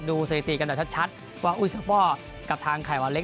ดูสถิตย์กันด้วยชัดว่าอุยสปอร์กกับทางไขวาเล็ก